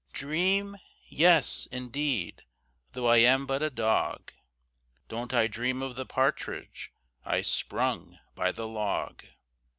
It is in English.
Dream? Yes, indeed; though I am but a dog. Don't I dream of the partridge I sprung by the log?